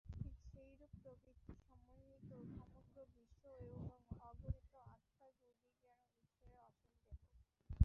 ঠিক সেইরূপ প্রকৃতি-সমন্বিত সমগ্র বিশ্ব এবং অগণিত আত্মাগুলি যেন ঈশ্বরের অসীম দেহ।